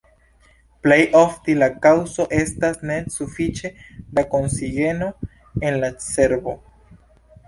Plej ofte la kaŭzo estas ne sufiĉe da oksigeno en la cerbo.